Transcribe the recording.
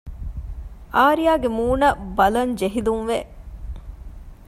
އާރްޔާގެ މޫނަށް ބަލަން ޖެހިލުންވެ